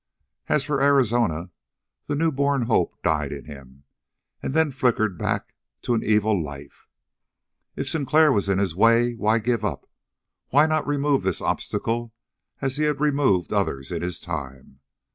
As for Arizona, the newborn hope died in him, and then flickered back to an evil life. If Sinclair was in his way, why give up? Why not remove this obstacle as he had removed others in his time.